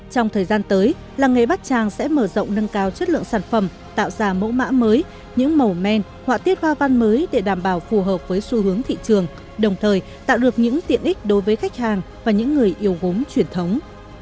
trong thời gian tới làng nghề bát trang sẽ mở rộng nâng cao chất lượng sản phẩm tạo ra mẫu mã mới những màu men họa tiết hoa văn mới để đảm bảo phù hợp với xu hướng thị trường đồng thời tạo được những tiện ích đối với khách hàng và những người yêu gốm truyền thống